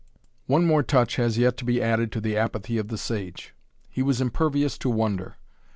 One more touch has yet to be added to the apathy of the sage. He was impervious to wonder.